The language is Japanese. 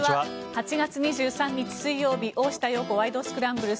８月２３日、水曜日「大下容子ワイド！スクランブル」。